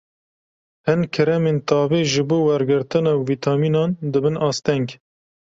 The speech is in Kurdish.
Hin kremên tavê ji bo wergirtina vîtamînan dibin asteng.